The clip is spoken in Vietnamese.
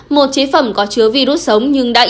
một chế phẩm có chứa virus sống nhưng đã yếu đi